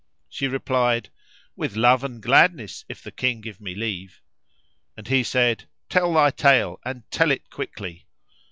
She replied, "With love and gladness if the King give me leave;" and he said, "Tell thy tale and tell it quickly."